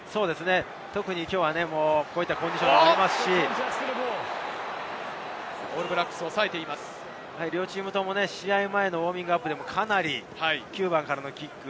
特にきょうは、こういったコンディションでもありますし、両チームとも試合前のウオーミングアップでもかなり９番からのキック。